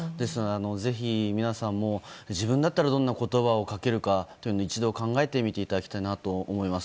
ぜひ皆さんも、自分だったらどんな言葉をかけるか、一度考えてみていただきたいと思います。